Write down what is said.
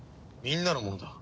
みんなのものだ。